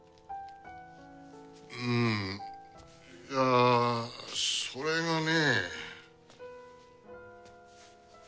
うんいやそれがね。